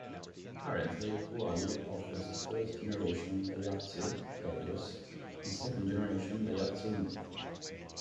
Currently Huali offers the first generation Daihatsu Terios and second generation Daihatsu Move.